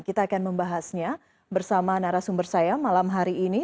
kita akan membahasnya bersama narasumber saya malam hari ini